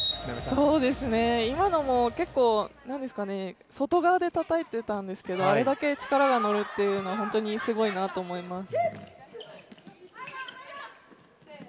今のも結構外側でたたいてたんですけどあれだけ力が乗るというのは、本当にすごいなと思います。